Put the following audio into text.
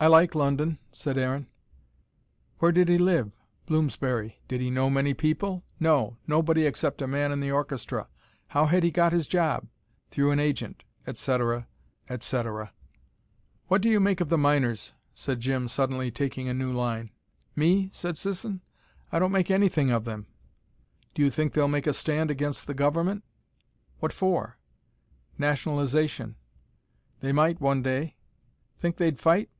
"I like London," said Aaron. Where did he live? Bloomsbury. Did he know many people? No nobody except a man in the orchestra. How had he got his job? Through an agent. Etc. Etc. "What do you make of the miners?" said Jim, suddenly taking a new line. "Me?" said Sisson. "I don't make anything of them." "Do you think they'll make a stand against the government?" "What for?" "Nationalisation." "They might, one day." "Think they'd fight?"